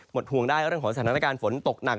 ห่วงได้เรื่องของสถานการณ์ฝนตกหนัก